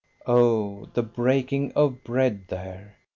Oh, the breaking of bread there!